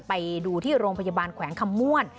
ไปดูที่โรงพยาบาลแขวงคำม่วน